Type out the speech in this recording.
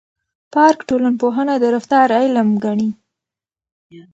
پارک ټولنپوهنه د رفتار علم ګڼي.